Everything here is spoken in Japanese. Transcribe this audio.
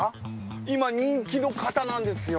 今人気の型なんですよ。